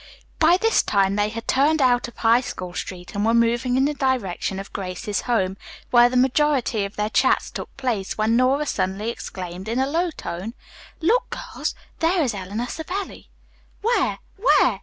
By this time they had turned out of High School Street and were moving in the direction of Grace's home, where the majority of their chats took place, when Nora suddenly exclaimed in a low tone: "Look, girls, there is Eleanor Savelli!" "Where? where?"